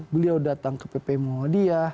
beliau datang ke ppmu dia